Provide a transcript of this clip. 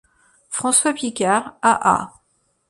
François Picard a.a.